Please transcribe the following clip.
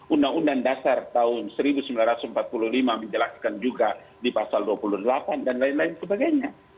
undang undang dasar tahun seribu sembilan ratus empat puluh lima menjelaskan juga di pasal dua puluh delapan dan lain lain sebagainya